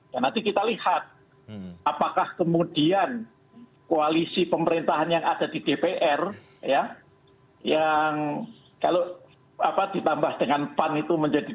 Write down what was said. dan nanti kita lihat apakah kemudian koalisi pemerintahan yang ada di dpr ya yang kalau apa ditambah dengan pan itu menjadi delapan